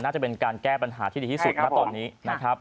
น่าจะเป็นการแก้ปัญหาที่ดีที่สุดณตอนนี้นะครับ